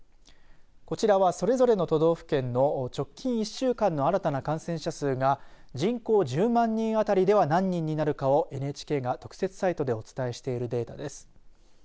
こちらはそれぞれの都道府県の直近１週間の新たな感染者数が人口１０万人当たりでは何人になるかをＮＨＫが特設サイトでお伝えしているデータです。